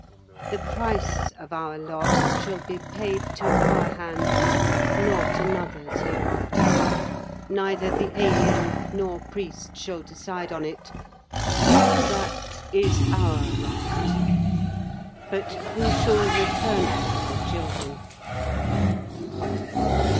The price of our loss shall be paid to our hands, not another's hereafter. Neither the Alien nor Priest shall decide on it. That is our right. But who shall return us the children?